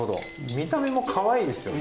見た目もかわいいですよね。